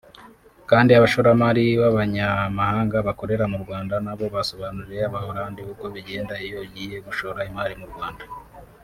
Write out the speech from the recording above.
kandi abashoramari b’abanyamahanga bakorera mu Rwanda nabo basobanuriye Abaholande uko bigenda iyo ugiye gushora imari mu Rwanda